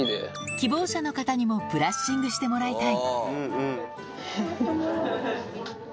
希望者の方にもブラッシングしてもらいたい。